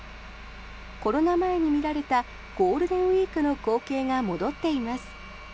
コロナ前に見られたゴールデンウィークの光景が戻っています。